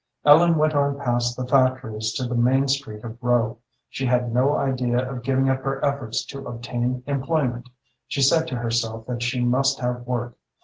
Ellen went on past the factories to the main street of Rowe. She had no idea of giving up her efforts to obtain employment. She said to herself that she must have work.